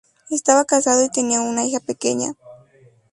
Estaba casado y tenía una hija pequeña.